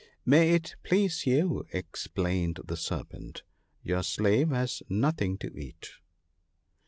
" May it .please you," explained the Serpent, " your slave has nothing to eat."